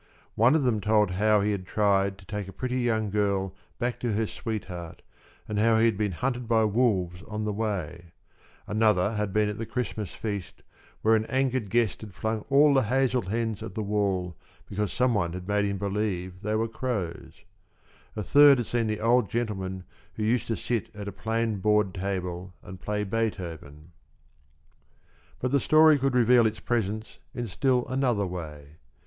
One of them told how he had tried to take a pretty young girl back to her sweetheart and how he had been hunted by wolves on the way; another had been at the Christmas feast where an angered guest had flung all the hazel hens at the wall because some one had made him believe they were crows; a third had seen the old gentleman who used to sit at a plain board table and play Beethoven. But the story could reveal its presence in still another way.